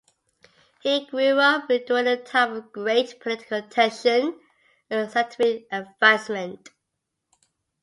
He grew up during a time of great political tension and scientific advancement.